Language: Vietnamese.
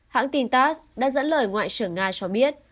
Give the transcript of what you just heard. hãng tin tass đã dẫn lời ngoại trưởng nga cho biết